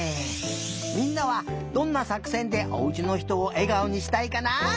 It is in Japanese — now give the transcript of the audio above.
みんなはどんなさくせんでおうちのひとをえがおにしたいかな？